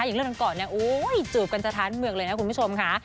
อย่างเรื่องก่อนนะจูบกันจะท้านเหมืองเลยนะคุณผู้ชมค่ะ